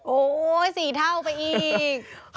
โอ้โห๔เท่าไปอีก